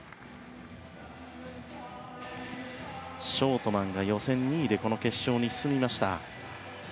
ショートマンが予選２位でこの決勝に進みました。